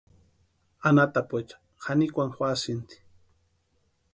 Anhatapuecha janikwani juasïnti.